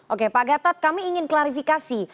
oke pak gatot kami ingin klarifikasi